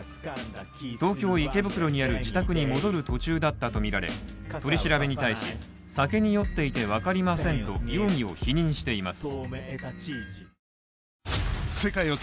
東京・池袋にある自宅に戻る途中だったとみられ取り調べに対し、酒に酔っていて分かりませんと容疑を否認しています。